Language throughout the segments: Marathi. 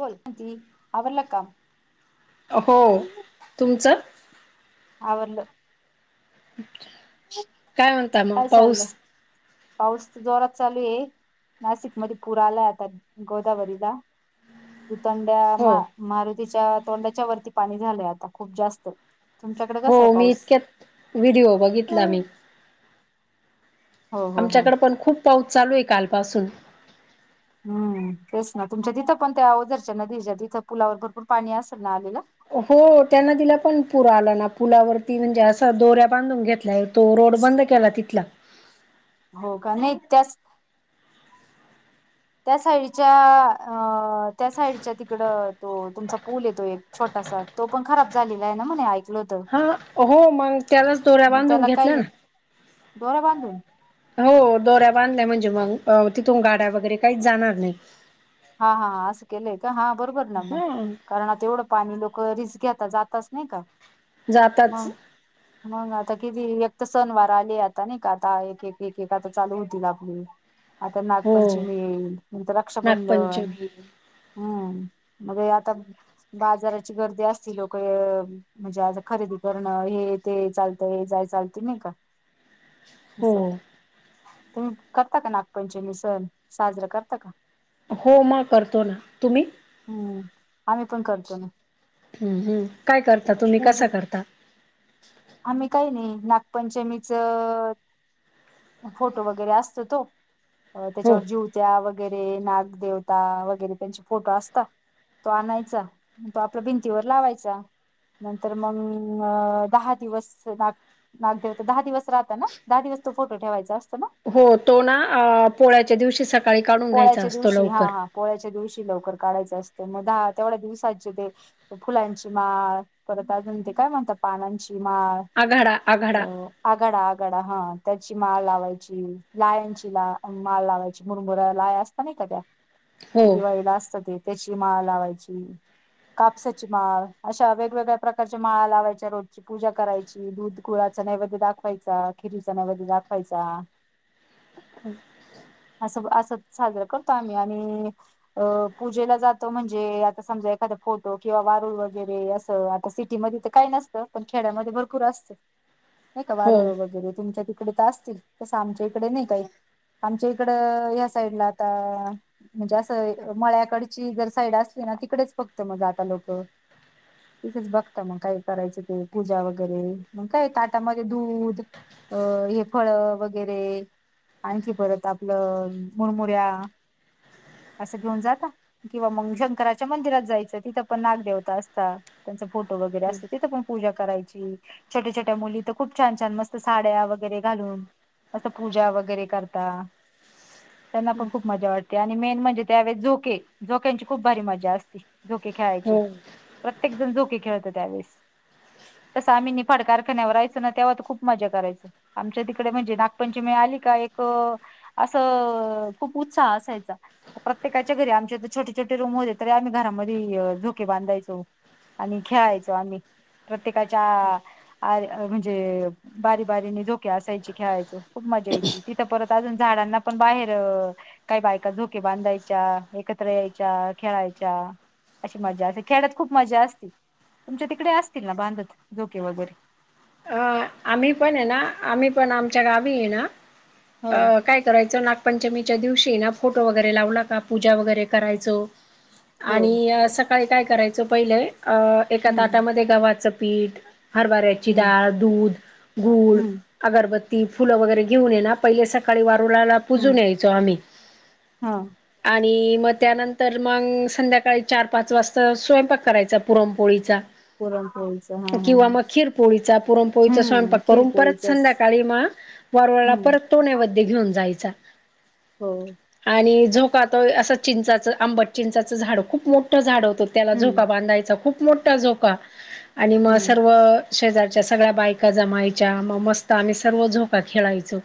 बोलका म्हणती का? आवरल काम! अहो! ! तुमचं!? आवरल! ! काय म्हणत मग काय चाललं पाऊस? पाऊस जोरात चालू आहे. नाशिक मध्ये पुर आलाय आता गोदावरीला हो उटणंड्या मारुतीच्या तोंडाच्या वरती पाणी झालंय आता खूप जास्त तुमच्याकडे हो कसा आहे मी पाऊस इतक्यात! व्हिडिओ बघितला मी! ! हो हो हो आमच्याकडे पण खूप पाऊस चालू आहे, कालपासून! हम्म तेच ना तुमच्या तिथं पण त्या ओजरच्या, नदीच्या तिथं पुलावर भरपूर पाणी असेल ना? आलेला. हो त्यां नदी ला पण पूर आला ना पुलावरती, म्हणजे असं दोऱ्या बांधून घेतल्याय! तो रोड बंद केला तिथला! ! हो का नाही त्या च त्या साईडच्या अ! त्या साईडच्या तिकड तो तुमचा पूल येतो, एक छोटासा तो पण खराब झालेला आहे ना म्हणे होत हा हो! मग त्यालाच दोऱ्या मग बांधून त्याला घेतल्या काही ना? दोरा बांधून हो! दोऱ्या बांधल्या म्हणजे मग तिथून गाड्या वगैरे काहीच जाणार नाही हा हा असं केलंय का हा बरोबर ना मग हा कारणता एवढं पाणी लोक रिस्क घ्याताात जातच नाही का जाताच मग? मग आता किती एक तर सनवार आले आता नाही, का आता एक एक एक आता, चालू होतील आपली आता हो नागपंचमी येईल नंतर रक्षाबंधन नागपंचमी हम्म! मगे आता बाजाराची गर्दी असती लोक म्हणजे आता खरेदी करणं हे ते चालतं, हे जाय चालते नाही का? हो अस. तुम्ही करता का नागपंचमी सण, साजरा करता का? हो मग करतो ना, तुम्ही? हम्म आम्ही पण करतो ना. हम्म हम् काय करता तुम्ही पूज कसा करता. आम्ही काही नाही नागपंचमीचं. फोटो वगैरे असतो तो. अ हो. त्याच्यावर जिवत्या वगैरे नागदेवता वगैरे त्यांचे फोटो असत. तो आणायचा तो आपल्या भिंतीवर लावायचा. नंतर मग दहा दिवस नाग. नागदेव तर दहा दिवस राहता ना दहा दिवस तो फोटो ठेवायचा असतो ना. हो तो ना पोळ्याच्या दिवशी सकाळी काढून घ्यायचा पोळ्याच्या असतो दिवशी हा लवकर. हा पोळ्याच्या दिवशी लवकर काढाचं असते मग दहा तेवढ्या दिवसाचे ते. फुलांची माळ परत अजून ते काय म्हणतात पानांची माळ. आघाडा अ आघाडा. आगाडा आगाडा हा त्याची माळ लावायची लायनची ला माळ लावायची. बुरा लाया असता नाही का त्या हो दिवाळीला असत ते त्याची माळ लावायची. कापसाची माळ अशा वेगवेगळ्या प्रकारच्या माळा लावायच्या रोज. पूजा करायची दूध गुळाचा नैवेद्य दाखवायचा, खिरीचा नैवेद्य दाखवायचा. ह [unintelligible] असं असं साजर करतो आम्ही आणि. अ पूजेला जातो म्हणजे आता समजा एखाद फोटो किंवा वारूळ वगैरे असं आता सिटीमध्ये. काही नसतं पण खेड्यामध्ये भरपूर असते. ह [inaudible] नाही का वारुळ वगैरे तुमच्या तिकडे तर असतील तसं आमच्या इकडे नाही काही आमच्या. इकड ह्या साईडला आता. म्हणजे असं मळ्याकडची जर साईड असली ना तिकडेच फक्त मग जाता लोक. तीथेच बघता मग काय करायचं ते पूजा वगैरे मग काय ताटामध्ये दूध. अ हे फळ वगैरे आणखी परत आपन. आपलं मुरमुऱ्या असं घेऊन जाता. किंवा मग शंकराच्या मंदिरात जायचं तिथं पण नागदेवता असता त्यांचा फोटो वगैरे असत तिथं पण. पूजा करायची छोट्या छोट्या मुली तर खूप छान छान मस्त साड्या वगैरे घालून. असं पूजा वगैरे करता त्यांना पण खूप मजा वाटते. आणि मेन म्हणजे त्यावेळेस झोके झोक्यांची खूप भारी मजा असती झोके खेळायची. हो. प्रत्येक जण झोके खेळत त्यावेळेस. तस आम्ही निफाड कारखान्यावर रायचो ना तेव्हा तर खूप मजा करायचं. आमच्या तिकडे म्हणजे नागपंचमी आली का एक. असं खूप उत्साह असायचा. प्रत्येकाच्या घरी आमचे छोटे छोटे रूम होते तरी आम्ही घरामध्ये झोके बांधायचो. आणि खेळायचो आम्ही प्रत्येकाच्या -. आ म्हणजे बारी बारीने झोके असायचे खेळायचं खूप मजा यायची तिथं परत अजून- झाडांना पण बाहेर- काही बायका झोके बांधायच्या एकत्र यायच्या खेळायच्या - अशी मज्जा असे खेडयात खूप मजा असती, तुमच्या तिकडे असतील ना बांधत झोके वगैरे. अ आम्ही पण आहे ना, आम्ही पण आमच्या गावी आहे ना हो अ - कायं करायचं नागपंचमीच्या दिवशी नां फोटो वगैरें लावलां की पूजा वगैरें करांयचो. हो आणि सकाळीं कायं करायचं पहिले अं एकां हम्म ताटांमध्यें गव्हांचं पीठं- हरबऱ्यांची हम्म डाळं दूधं गूंळ- हम्म अगरबत्ती फुलं वगैरें घेऊन ये नां पहिले सकाळीं वारुंळाला - हम्म पूजूंन यांयचो आम्हीं हा - आणि मं त्यांनंतर मंग संध्याकांळी चार पांच वाजतां स्वयंपाक करांयचा पुरणपोळीचां पोरं हऊसं आहे हां हां हां चां पुरणपोळीचा स्वयंपाक करूंन परंत संध्याकांळी मं वारुळांला हम्म परंत- तो नैवैध्य घेऊंन जायंचा. हो. आणि झोकांतो अं असं चिंचाचं आंबट चिंचाचं झाडं खूंप मोठं झाडं होतं - त्यांला हम्म झोकां बांधायचां खूंप मोठा झोका आणि मं हम्म सर्व - शेजांरच्या सगळ्यां बायंका जमांयच्या मं मस्तं आम्हीं सर्व झोकां खेळांयचो.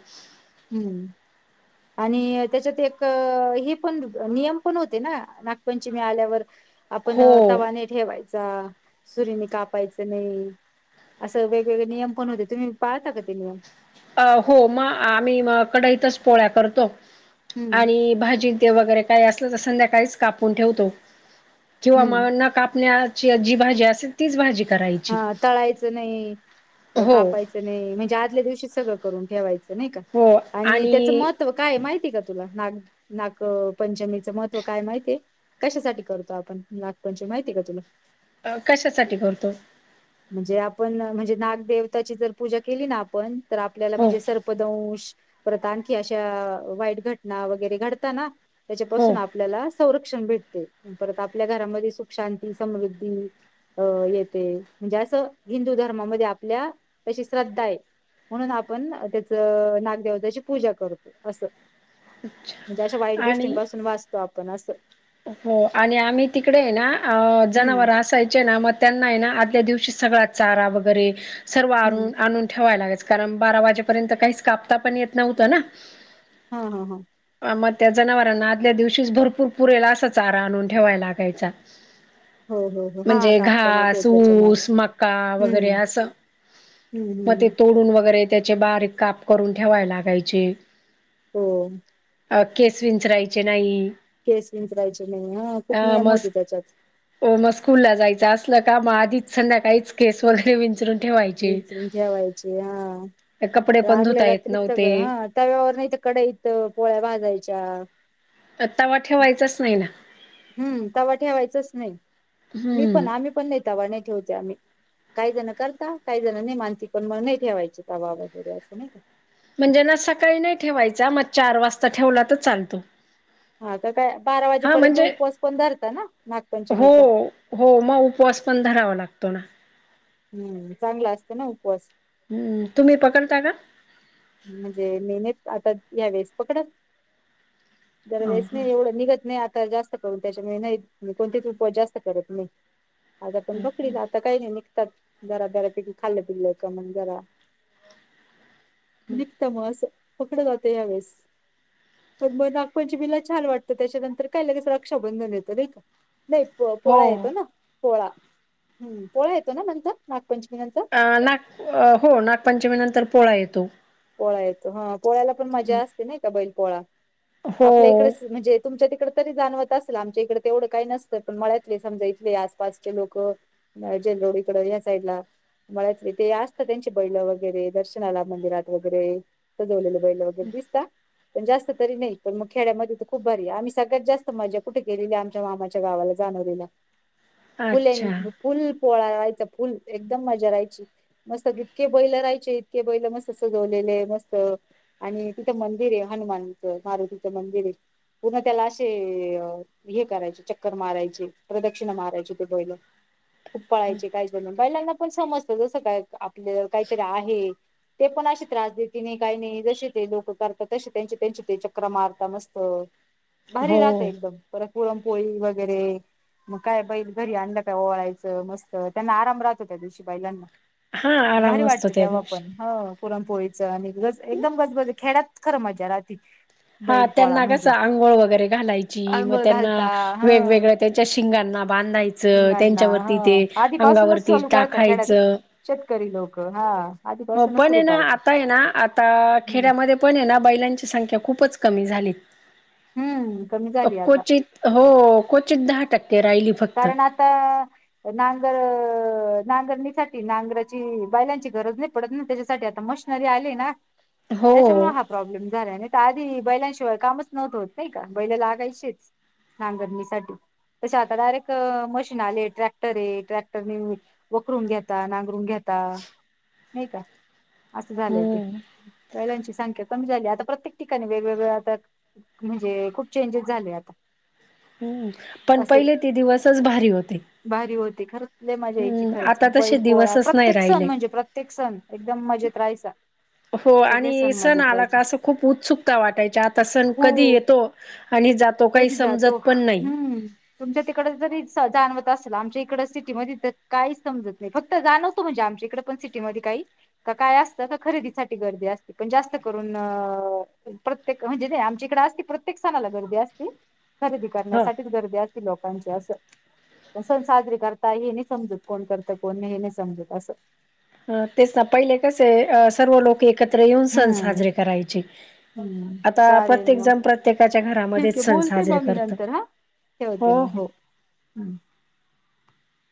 हम्मं. आणि त्यांच्यात एक हे पणं नियम पणं होते नां नागपंचमी आल्यांवर - आपणं हो तवां नाहीं ठेवांयचा सुरीनी कापांयचं नाहीं - असं वेगवेगळे नियंम पणं होते तुम्हीं पाळतां कां ते नियम. अं हो म आम्हीं कडईतंच पोळ्या करतो हम्म आणि भाजी - ते वगैरें कांहीं असलं तरी संध्याकाळीच कापूंणठे ठेवतो जिवां हम्म मावदयांत नं कापण्या - जी भाजी असेल तीचं भाजी करांयची हा तळायचं नाही अ, हो. कापायचं म्हणजे आदल्यां दिवशी सगळं करून ठेवायचं नाहीं कां आणि त्याचं मतं - महित कायं माहितीय कां तुलां नागं नागी पंचमीचं महत्त्व कायं माहितीय कशांसाठी करतो आपणं नागपंचमी माहिती कां तुलांला, अं कशांसांठी करतो. म्हणजे आपणं म्हणजे नागदेवताची जरं पूजा केली ना आपणं तरं आपल्यांला हो म्हणजे सरं पदूंश प्रतांखी अशा वाईट घटनां वगैरें घडतां नां हो त्यांच्यापासून आपल्याला संरक्षण भेटते परंत आपल्या घरांमध्ये सुंख शांती समृद्धी अं येते म्हणजे असं हिंदू धर्मामध्ये आपल्या अशी श्रद्धा आहे. म्हणूंन आपणं त्यांचं नागदेवतांची पूजां करतो असं. म्हणजे अशा वाईट आणि गोष्टींपासूंन वाचतो आपण असं. हो आणि आम्हीं तिकडे नां हम्म जनावरं असांयचे नां मं त्यांना आहे नां त्यां आदल्या दिवशी सगळ्या चारा वगैरें सर्व हम्म आंनू आणूंन ठेवांय लागेच कारणं बारा वाजेपर्यंत कांहींच कापतां पणं येतं नव्हतं नां हां हां हां मंग त्या जनावरांना आदल्या दिवशीच भरंपूर पुरेला असा चारा आणून ठेवाय लागायचा. हो हो हो हा म्हणजे कापता नव्हते घांस येत त्याच्यामुळे ऊस मका हम्म वगैरें असं हम्म हम्म मंग हम्म ते तोडून वगैरें त्यांचे बारीक कांप करूंन ठेवांयची लागायचे. हो केस विंचरायचे नाहीं. केंस विंचरांयचे नाहीं. हं मस्तं हो मंग स्कूंलला जायचं असलं कां मंग आधींच संध्या काहींचं केंस वगैरें विंचरून, ठेवायचे हं ठेवांयची कपडे हां पण आधल्या धुता येत रात्री सगळं नव्हते हां त्यां तववर नाहींत कडईतं पोळ्यां भाजांयच्या तवा ठेवायचाच नाही ना, हम्म, तवा ठेवायचाच नाही मी हम्म पण आम्ही पण नाही तवा नाही ठेवते आम्ही. काही जण करता काही जण नाही मानती पण मग नाही ठेवायची तवा वगैरे असं नाही का म्हणजे ना सकाळी नाही ठेवायचा मग चार वाजता ठेवला त चालतो. हा का काय बारा हा वाजेपर्यत म्हणजे उपवास पण धरता ना हो नागपंचमीचा. हो मग उपवास पण धरावा लागतो ना, हम्म, चांगला असतं ना उपवास हम्म, तुम्ही पकडता का? म्हणजे निमीत आता यावेळेस पकडल. हो दरवेळेस हो नाही एवढं निघत नाही आता जास्त त्याच्यामुळे नाही कोणतेच उपवास जास्त करत नाही. आज आपण हम्म बकरीला आता काही नाही निघतात जरा जरा पैकी खाल्लं पिल्लं का मग जरा हम्म. निघतं मग असं पकडं जातं यावेळेस पण मग नागपंचमीला छान वाटतं त्याच्यानंतर काय लगेच रक्षाबंधन येतं नाही का. नाही प हो पोळा येतो ना पोळा हम्म पोळा येतो नंतर नागपंचमी नंतर अ नाग हो नागपंचमी नंतर पोळा येतो. पोळा येतो हा पोळ्याला पण मजा असते नाही का बैल पोळा हो आपल्या इकडेच म्हणजे तुमच्या तिकडं तरी जाणवत असेल आमच्या इकडे तेवढं काही नसतं पण मळ्यातले समजा इथले आसपासचे लोक जेदोरीकडं या साईड ला मळ्यातले ते असतात त्यांचे बैलं वगैरे दर्शनाला मंदिरात वगैरे सजवलेले बैल वगैरे दिसता. पण जास्त तरी नाही पण मग खेड्यामध्ये तर खूप भारी आम्ही सगळ्यात जास्त मजा कुठे केलेली आमच्या मामाच्या गावाला जाणोलीला. [inaudible] फुले अच्छा फुल पोळा राहायचा फुल एकदम मजा राहायची मस्त इतके बैल राहायचे इतके बैल मस्त सजवलेले मस्त आणि तिथं मंदिर आहे हनुमानच मारुतीचं मंदिर आहे. पुन्हा त्याला असे हे करायचे चक्कर मारायचे प्रदक्षिणा मारायचे ते बैले [inaudible] खूप पळायचे काही जण बैलांना पण समजतं जसं काय आपल्या काहीतरी आहे. ते पण अशी त्रास देते नाही काही नाही जशे ते लोकं करतात तशी त्यांचे त्यांचे ते चक्रा मारता मस्त [inaudible] भारी राहते एकदम परत पुुरणपोळी वगैरे मग काय बैल घरी आणलं काय ओळायचं मस्त त्यांना आराम राहतो त्या दिवशी बैलांना हा भारी आराम असतो वाटतं त्या तेव्हा दिवशी पण हो पुरणपोळीचं आणि गज एकदम बजबजीत खेड्यात खरं मजा राहती. हा बैल पोळा त्यांना कसं म्हणजे आंघोळ वगैरे घालायची मग आंघोळ त्यांना घालता हा वेगवेगळ्या त्याच्या शिंगांना बांधायचं रिंगांना हा त्यांच्यावरती ते आधीपासूनच अंगावरती चालू करता खेड्यात टाखायचं. शेतकरी लोकं हा हो आधीपासूनच पण हे सुरू ना करता आता हे ना आता हम्म खेड्यामध्ये, पण हे ना बैलांची संख्या खूपच कमी झाली. हम्म कमी अ झाली आता क्वचित हो, क्वचित दहा टक्के राहिली. कारण आत् [inaudible] नांगर नांगरणीसाठी नांगराची बैलांची गरज नाही पडत ना, त्याच्यासाठी आता मशी नरी आले ना, हो त्याच्यामुळं हाप प्रॉब्लेम झालाय नाहीतर आधी बैलांशिवाय कामच नवत होत नाही का बैलं लागायचीच. नांगरणीसाठी तसे आता डायरेक्ट. क मशीन आले ट्रॅक्टर ए ट्रॅक्टरने वखरून घेता नांगरून घेता. नाही का असं झालंय तेे. हम्म बैलांची संख्या कमी झाली आता प्रत्येक ठिकाणी वेगवेगळं आता. म्हणजे खूप चेंजेस झाले आता. हम्म पण असे पहिले ते दिवसच भारी होते. भारी होते खरंच. लय मजा यायची हम्म खरंच आता तसे बैल पोळा दिवसच नाही प्रत्येक सण राहिले म्हणजे प्रत्येक सण एकदम मजेत राहायचा. हो सगळे आणि सण मजेत आला का राहायचे असं खूप उत्सुकता वाटायची आता सण कधी हो येतो. आणि जातो काही कधी जातो समजत पण नाही. हम्म तुमच्या तिक. कडं जरी जाणवत असल आमच्या इकडं सिटीमधी तर काहीच समजत नाही फक्त जाणवतो म्हणजे आमच्या इकडं पण सिटी. टी मध्ये काही का काय असतं का खरेदीसाठी गर्दी असते पण जास्त करून अ. प्रत्येक म्हणजे नाही आमच्या इकडं असती प्रत्येक सणाला गर्दी असती खरेदी ह करण्यासाठीच गर्दी असती लोक. कांची असं सण पण साजरी करता हे नाही समजत कोण करतं कोण नाही हे नाही समजत असं अ तेच ना पहिले कसे अ सर्व लोक एकत्र येऊन सण हम्म साजरे करायचे. हम्म आता प्रत्येक जण प्रत्येकाच्या घरात. ठीके बोलते म मी नंतर हा ठेवते मग हो.